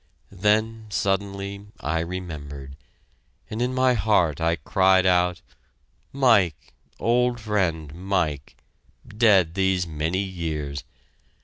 ... Then, suddenly, I remembered, and in my heart I cried out: "Mike! old friend, Mike! Dead these many years!